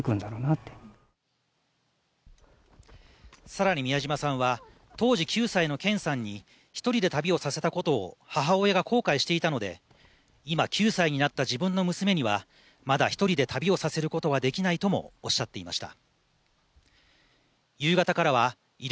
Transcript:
更に美谷島さんは当時９歳の健さんに１人で旅をさせたことを母親が後悔していたので今、９歳になった自分の娘にはまだ１人で旅をさせることはできないとおっしゃっていました。